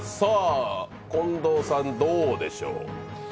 近藤さん、どうでしょう？